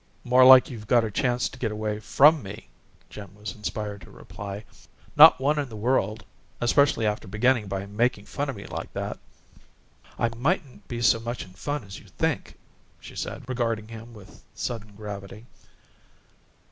"More like if you've got a chance to get away FROM me!" Jim was inspired to reply. "Not one in the world, especially after beginning by making fun of me like that." "I mightn't be so much in fun as you think," she said, regarding him with sudden gravity.